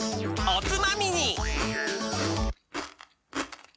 おつまみに！